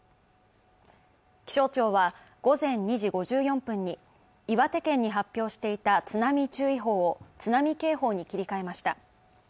気象庁は午前２時５４分に岩手県に発表していた津波注意報を、津波警報に切り替えました。